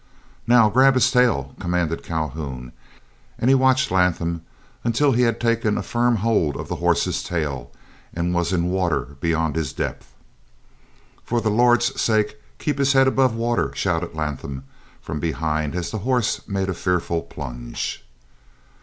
"Now, grab his tail," commanded Calhoun, and he watched Latham until he had taken a firm hold of the horse's tail and was in water beyond his depth. "For the Lord's sake, keep his head above water," shouted Latham from behind, as the horse made a fearful plunge.